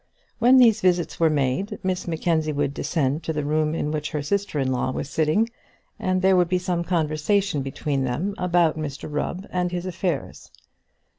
When these visits were made Miss Mackenzie would descend to the room in which her sister in law was sitting, and there would be some conversation between them about Mr Rubb and his affairs.